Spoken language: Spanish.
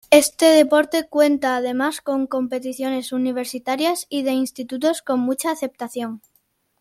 Este deporte cuenta además con competiciones universitarias y de institutos con mucha aceptación.